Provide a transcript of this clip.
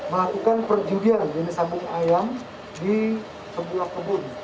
melakukan perjudian dari sabung ayam di sebuah kebun